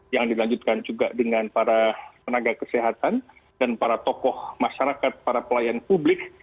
yang dilanjutkan juga dengan para tenaga kesehatan dan para tokoh masyarakat para pelayan publik